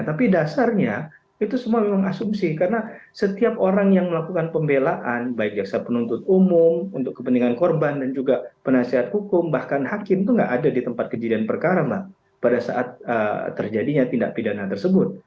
tapi dasarnya itu semua memang asumsi karena setiap orang yang melakukan pembelaan baik jaksa penuntut umum untuk kepentingan korban dan juga penasihat hukum bahkan hakim itu nggak ada di tempat kejadian perkara pada saat terjadinya tindak pidana tersebut